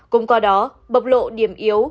cùng qua đó bậc lộ điểm yếu